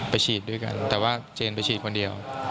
ไปฉีดด้วยกันแต่ว่าเจนไปฉีดคนเดียว